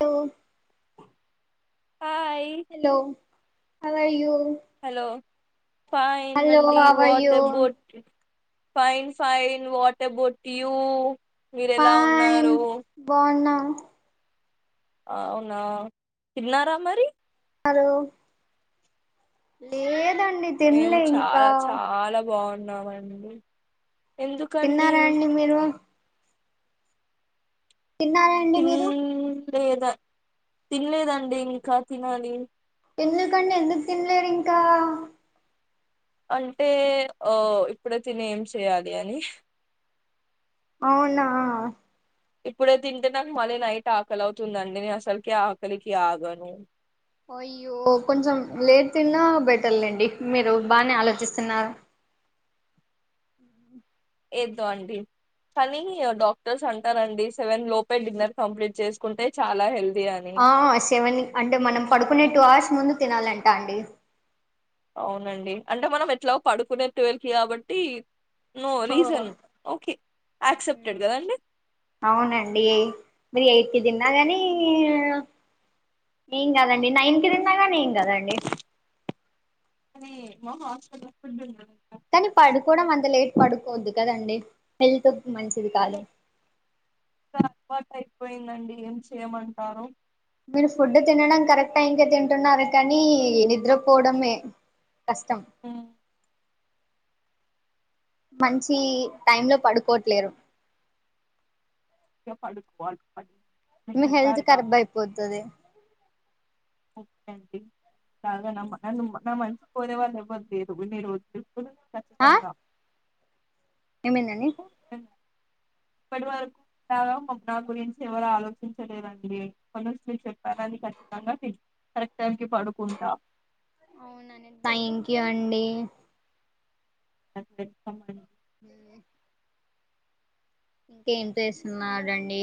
తో hi hello how are you hello fine అండి what about fine fine what about you మీరు ఎలా ఉన్నారు బాగున్నారు అవునా తిన్నారా మరి హలో లే మేం చాలా చాలా బాగున్నామండి ఎందుకండి తిన్నారా అండి మీరు తిన్నారా అండి మీరు లేదా తినలేదండి ఇంకా తినాలి ఎందుకండి ఎందుకు తినలేరు ఇంకా అంటే ఓ ఇప్పుడే తిని ఏం చేయాలి అని అవునా ఇప్పుడే తింటే నాకు మళ్ళీ నైట్ ఆకలి అవుతుందండి నేను అసలకి ఆకలికి ఆగను అయ్యో కొంచెం లేట్ తిన్నా బెటర్లేండి మీరు బానే ఆలోచిస్తున్నారు ఏదో అండి కానీ డాక్టర్స్ అంటారండి సెవెన్ లోపే డిన్నర్ కంప్లీట్ చేసుకుంటే చాలా హెల్త్ ఆ సెవెన్ అంటే మనం పడుకునే టూ అవర్స్ ముందు తినాలంట అండి అవునండి అంటే మనం ఎట్లాగో పడుకునేది ట్వెల్వ్కి కాబట్టి నో ఓ, రీజన్ ఓకే యాక్సెప్టెడ్ ఉమ్, కదా అండి అవునండి మీర్ ఎయిట్ కి తిన్నా గాని ఏం కాదండి నైన్ కి తిన్న గానీ ఏం కదండి అరె మా హాస్టల్ లో ఫుడ్ ఉండదు కానీ పడుకోవడం అంత లేట్ పడుకోద్దు కదండి హెల్త్ మంచిది కాదు కనీ అల్ వాట్ అయిపోయిందండి ఏం చేయమంటారు మీరు ఫుడ్ తినడం కరెక్ట్ టైంకే తింటున్నారు కానీ నిద్రపోడమే కష్టం ఉమ్, మంచి టైమ్ లో పడుకోట్లేరు ఇగ పడు బాల్ [unintelligible] మీ హెల్త్ ఖరబ్ అయిపోతది ఓకేండి సరే నమ్మ ఎంద్ అమ్మ న [unintelligible] పోయినా వాళ్ళు ఎవ్వర్ తేదు ఇన్ని రోజుల్ చసుకుని [unintelligible] ఖచ్చితంగా ఏమేందండి ఇప్పట్ వరకు నా గురించి ఎవరు ఆలోచించలేదండి ఇప్పన్ నుంచి మీర్ చెప్పారని ఖచ్చితంగా తిన్ అవుననిన్ థ్యాంక్ యూ అండి అన్ డెక మండి [unintelligible] ఉహ్ ఇంకేం చేస్తున్నారండి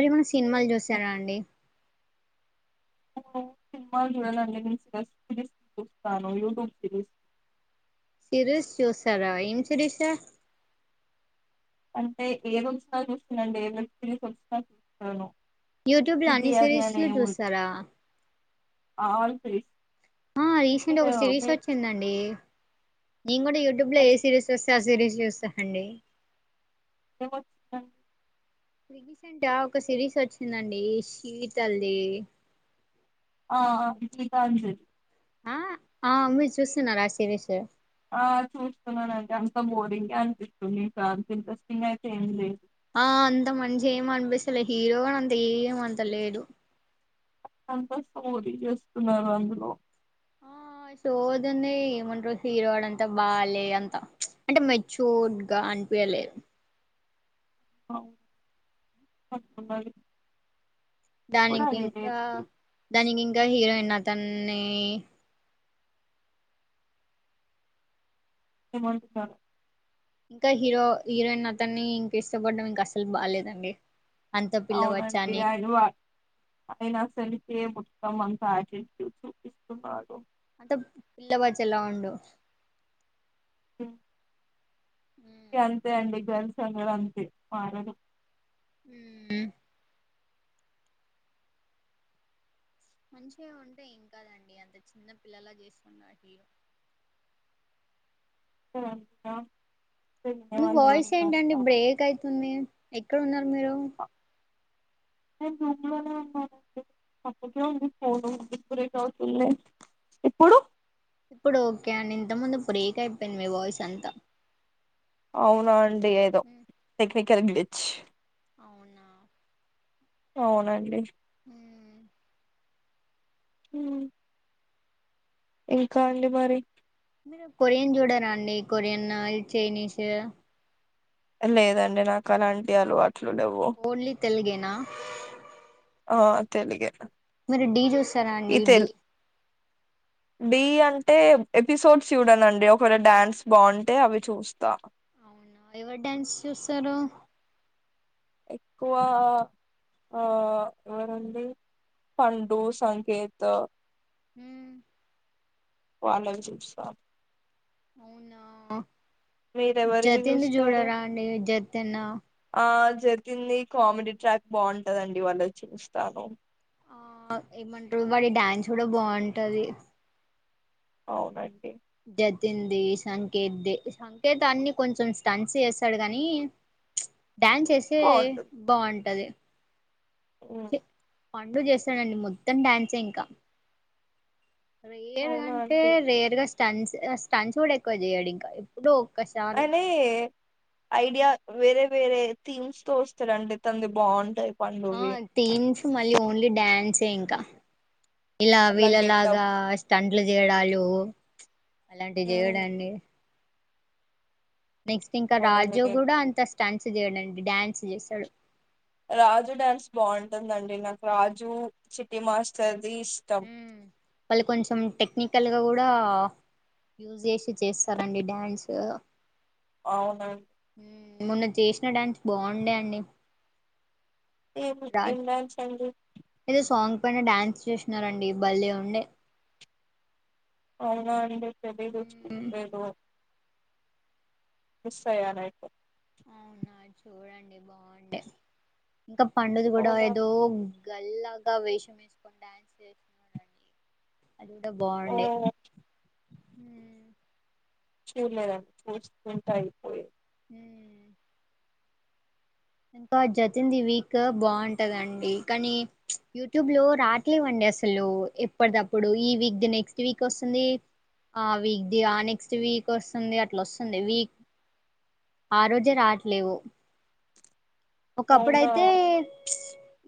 మీరు సిన్ మాలు చూస్తర అండి సిన్ మాల్ చూడనండి నేన్ సిరస్ సిరీస్ చూస్తాను యూట్యూబ్ సిరీస్ సిరీస్ చూసారా ఏం సిరీషు అంటే ఏద్ దోచ్ నా చూస్తున్నాండి సిరీస్ సొత [unintelligible] చూస్తున్నాను యూట్యూబ్ లో అన్ని సిరీస్ లు చూస్తారా ఆల్ సిరీస్ ఆ రీసెంట్ మీరు ఒక సిరీస్ మీరు వచ్చిందండి నేను కూడా యూట్యూబ్ లో ఏ సిరీస్ వస్ అ సిరీస్ చుస్తానండీ ఎమో చూడన్ [unintelligible] రీసెంట్ అ ఒక సిరీస్ వచ్చిందండీ శీ తల్లీ ఆ ఆ గీతాంజలి ఆ ఆ మీర్ చూస్తున్నార ఆ సిరీసు ఆ చూస్తున్నానండి అంత బోరింగే అన్పిస్తుంది తార్ సీల్ [unintelligible] ఇంట్రెస్టింగ్ గా అయితే ఏం లేదు అసలే హీరో అంత ఏమంత లేడు సంతోష్ పూరి చేస్తున్నారు అందులో మై సోదుందీ ఏమంట్రు హీరో వాడంతా బాలే అంత చ్ అంటె మెచ్యూ డ్ గా అం పే లేవ్ [unintelligible] అవ్ అట్లుండాలీ [unintelligible] దానిమ్ కింకా దానికింకా హీరోయిన్ అతన్నీ ఈ హిమంత్ చాట [unintelligible] ఇంకా హీరో హీరోయిన్ అతన్నీ ఇంక ఇష్టపడ్డం ఇంక అసల్ బాలేదండి అంత పిల్లబచ్చ అవునండీ అని యజు వా [unintelligible] అయిన అసలు ఏ మొత్తం అంతా యాటిటుడ్ చూపిస్తున్నాడు అంత పిల్లబచ్చలా ఉండు హ్మ్ ఇగంతే అండి గల్ సమ్ గద అంతే మారడు హ్మ్ మంచిగె ఉంటే ఏంకాదండి అంత చిన్న పిల్లల్లా చేస్ కున్నా అండి [inaudible] [unintelligible] వినే మీ వాళ్ళు ఎవరు వాయిస్ ఉన్నారు ఏంటండి కాదంతా బ్రేక్ అయితుంది ఎక్కడున్నారు మీరు నేన్ దొడ్లోనే ఉన్నానండి అక్కడికే వినిపిస్తాదండీ ఇప్పుడు ఇప్పుడు ఓకే అండి ఇంత ముందు బ్రేక్ అయ్పోయింది మీ వాయిస్ అంత అవ్నా అండి ఏదొ టెక్నికల్ గ్లిచ్ అవునా అవ్నండి హ్మ్మ్ ఇంకా అండి మరి మీరు కొరియన్ చూడరా అండీ కొరియన్నూ చైనీసూ లేదండి నాకు అలాంటి అలవాట్లు లెవ్వు నా ఆ తెలిగె మరి ఢీ చూస్తరా అండి ఢీ ఢీ అంటే ఎపిసోడ్స్ చూడనండి ఒకవేళ డాన్స్ బావుంటే అవి చూస్తా నా ఎవర్ డ్యాన్స్ చూస్తరు ఎక్కువా ఆ వరుణ్ ది పండూ సంకేత్తో హ్మ్మ్ వాళ్లన్ చూస్త అవ్నా మీరెవరివి జతిన్ది చూస్తారు చూడరా అండీ జతిన్నూ ఆ జతింది కామిడి ట్రాక్ బాంటదండి వాళ్ళది చూస్తాను ఆ ఏమంటరు వాడి డ్యాన్స్ కూడ బాంటది అవునా అండి జతిందీ సంకేత్ ది సంకేతన్ని కొంచెం స్టన్స్ చేస్తడు కానీ [inaudible] డ్యాన్స్ ఏస్తే బాగుంటది మ్మ్మ్మ్ పండు చేస్తేనండి మొత్తం డ్యాన్సే ఇంకా రేర్ అవునా అంటే అండి రేర్ గా స్టన్ స్టన్స్ కూడా ఎక్కువ చేయడు ఇంకా ఎప్పుడు అదే ఐడియా వేరే వేరే థీమ్స్ తో వస్తాడు అండి తనది బాగుంటాయి ఆ పండువి థీమ్స్ మళ్ళీ ఓన్లీ డ్యాన్సే ఇంకా ఇలా అలా గెట్టప్ వీళ్ళలాగా స్టంట్లు చేయడాలు అలాంటివి మ్మ్ చేయడండి నెక్స్ట్ ఇంకా అవునండి రాజు నేను కూడా అంత స్టంస్ చేయడండి డ్యాన్స్ చేస్తడు రాజు డ్యాన్స్ బాగుంటుందండి నాకు రాజు చిటి మాస్టర్ మ్మ్మ్మ్ వాళ్ళు కొంచెం టెక్నికల్ గా కూడా కూడా యూస్ చేసి చేస్తారండి డ్యాన్స్ అవున మొన్న చేసిన డాన్స్ బాగుండే అండి ఏ ఏమి డాన్స్ అండి ఎప్పునా డ్యాన్స్ చేూసినారండి బల్లే ఉండే అవునా అండి తెలియదు చు ఎస్ రైట్ అవునా చూడండి బాగుండ ఇంకా పండుది కూడా అవునా ఏదో గల్లాగా వేషం వేసుకొని డ్యాన్స్ చేస్తున్నాడండి అంతా ఓ బాగుండే చూడలేదండి చూస్తుంటా అయిపోయ ఉమ్ ఇంకా జతిందిి వీక్ బాగుంటదండి కానీ యూట్యూబ్ లో రాట్లేవ్వండి అసలు ఎప్పటి తప్పుడు ఈ వీక్ ది నెక్స్ట్ వీక్ వస్తుంది ఆ వీక్ ది ఆ నెక్స్ట్ వీక్ వస్తుంది అట్లా వస్తుంది వీక్ ఆ రోజే రావట్లేవు అవునా ఒకప్పుడైతే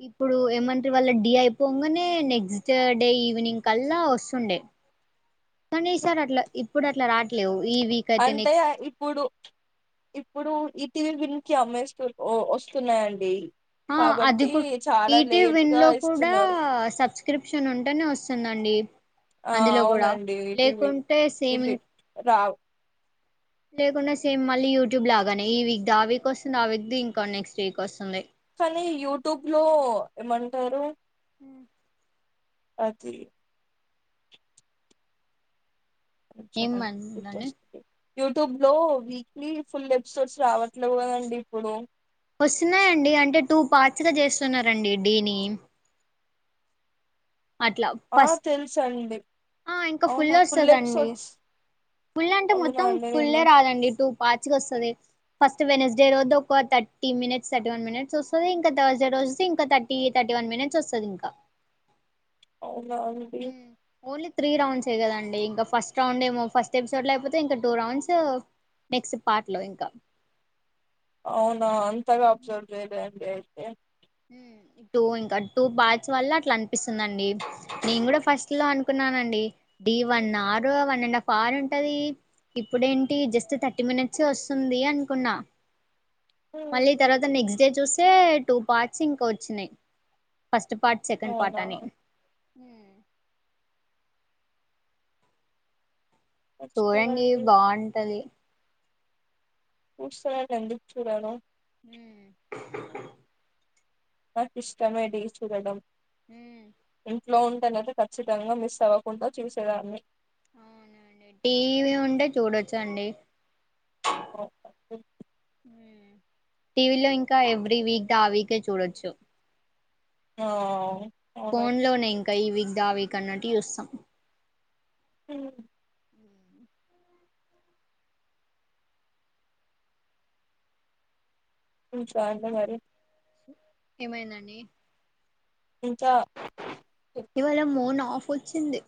ఇప్పుడు ఏమంటరు వాళ్ళ డీ అయిపోగానే నెక్స్ట్ డే ఈవినింగ్ కల్లా వస్తుండే కానీ ఈ సార్ అట్లా ఇప్పుడు అట్లా రాట్లేవు ఈ వీక్ అయితే అంటే నెక్స్ట్ ఇప్పుడు ఇప్పుడు ఇప్ టి వి ల గురించి అమ్మేస్తు వస్తున్నాయండి కాబట్టి చ ఈటీవి విన్ లో కూడా సబ్స్క్రిప్షన్ ఉంటేనే వస్తుందండి ఆ అందులో కూడా అవునండి లేకుంటే సేమిం రావు లేకుంటే సేమ్ మళ్ళీ యూట్యూబ్ లాగానే ఈ వీక్ ద ఆ వీక్ వస్తుంది ఆ వీక్ ద ఇంకా నెక్స్ట్ వీక్ వస్తుంది కానీ యూట్యూబ్ లో ఏమంటారు అది నిమిషం ఏం ఆగు మంటందడి [unintelligible] గుర్తొస్తుంది యూట్యూబ్ లో వీక్లీ ఫుల్ ఎపిసోడ్స్ రావట్లేవు కదండి ఇప్పుడు వస్తున్నాయండి అంటే టూ పార్ట్స్ గా చేస్తున్నారండి డీని అట్లా ఆ ఫస్ట్ తెలుసండి ఆ ఇంకా అవునా ఫుల్ వస్తదండి ఎపిసోడ్స్ ఫుల్ అంటే అవునా మొత్తం అండి ఫుల్లే నేను రాదండి టూ పార్ట్స్ గ వస్తది ఫస్ట్ వెనస్డే రోజు ఒక thirty minutes thirty one minutes వస్తది ఇంకా థర్స్డే రోజు ఇంకో థర్టీ థర్టీ వన్ మినిట్ వస్తది ఇంకా అవునా అండి ఉ ఓన్లీ త్రీ రౌండ్స్ అంతే కదండి ఇంకా ఫస్ట్ రౌండ్ ఏమో ఫస్ట్ ఎపిసోడ్ లో అయిపోతది ఇంకా టూ రౌండ్స్ నెక్స్ట్ పార్ట్ లో ఇంకా అవునా అంతగా అబ్సర్వ్ చేయలేండి అయితే ఉ ఇప్పుడు ఇంక టూ పార్ట్స్ వల్ల అట్లా అనిపిస్తుందండి నేను కూడా ఫస్ట్ లో అనుకున్నా నండి D one hour one and half hour ఉంటది ఇప్పుడేంటి జస్ట్ థర్టీ మినిట్సె వస్తుంది అనుకున్నా మళ్ళీ హ్మ్, తర్వాత నెక్స్తడే చూస్తే టూ పార్ట్స్ ఇంకా వచ్చినాయి ఫస్ట్ పార్ట్ సెకండ్ అవునా పార్టని చూడండి మర్చిపోయానండి బాంటది చూస్తాను ఎందుకు చూడను ఊ నాకిష్టమే డీ చూడడం ఊ ఇంట్లో ఉంటేనైతే ఖచ్చితంగా మిస్ అవ్వకుండ చూసేదాన్ని అవునండి టీవీ ఉంటే చూడొచ్చండి ఓ [unintelligible] ఊ టీవీలో ఇంకా ఎవ్రీ వీక్ ది ఆ వీకే చూడొచ్చు. ఆ... ఫోన్ అవునండి. లోనే ఇంకా ఈ వీక్ ది ఆ వీక్ అన్నట్టు జూస్తాం ఊ ఇంచ అండి మరి [unintelligible] ఏమైందండి ఇంకా ఇవాళ మూన్ ఆఫ్ ఓచ్చింది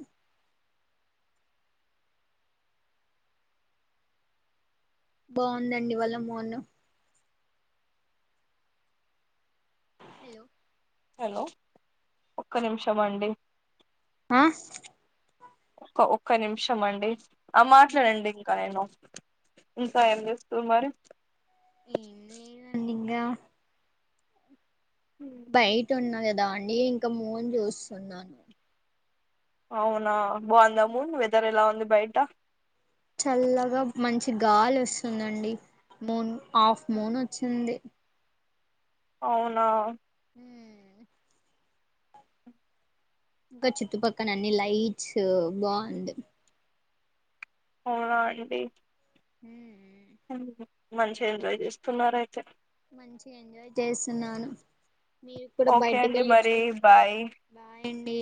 బాగుందండి ఈవాళ మూన్ హాలో హాలో ఒక్క నిమిషం అండి. ఆ ఒక్క ఒక్క నిమిషం అండి ఆ మాట్లాడండి ఇంకా నేను ఇంకా ఏం జేస్తురు మరి ఏం లేదండి ఇంగా బయటున్నా గదా అండి ఇంకా మూన్ జూస్తున్నాను అవునా! బాంద మూన్? వెదర్ ఎలా ఉంది బయట? చల్లగా మంచి గాలి వస్తుందండి మూన్ ఆఫ్ మూన్ వచ్చింది అవునా. ! ఇంకా చుట్టుపక్కన అన్ని లైట్స్ బాంది. అవునా అండి హ్మ్ ము మంచి ఎంజాయ్ జేస్తున్నారైతే మంచిగా ఎంజాయ్ చేస్తున్నాను మీరు కూడా ఓకే అండి బయటకెళ్ళి మరి చూడండి బాయ్ బాయండి